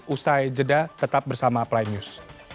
usai jeda tetap bersama prime news